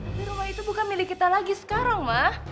tapi rumah itu bukan milik kita lagi sekarang mah